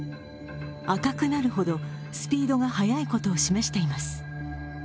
赤くなるほどスピードが速いことを示しています。